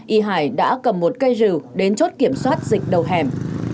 y hải đã cầm một cây rừng đến chốt kiểm soát dịch đầu hẻm